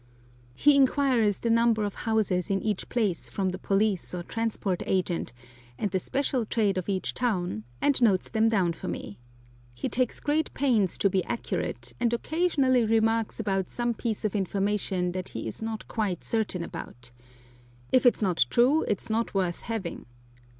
He inquires the number of houses in each place from the police or Transport Agent, and the special trade of each town, and notes them down for me. He takes great pains to be accurate, and occasionally remarks about some piece of information that he is not quite certain about, "If it's not true, it's not worth having."